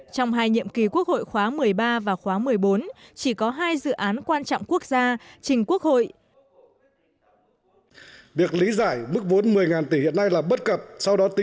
trong hai nhiệm kỳ quốc hội khóa một mươi ba và khóa một mươi bốn chỉ có hai dự án quan trọng quốc gia trình quốc hội